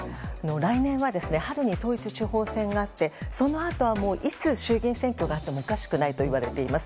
来年は春に統一地方選があってそのあとはいつ衆議院選挙があってもおかしくないといわれています。